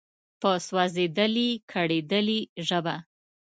په سوزیدلي، کړیدلي ژبه